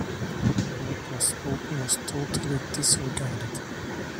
What was spoken was totally disregarded.